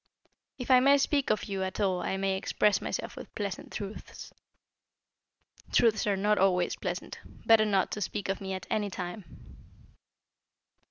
"If I may speak of you at all I may express myself with pleasant truths." "Truths are not always pleasant. Better not to speak of me at any time."